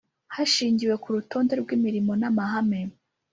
Hashingiwe ku rutonde rw imirimo n amahame